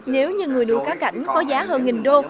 nếu như người đụ cá cảnh có giá hơn nghìn đô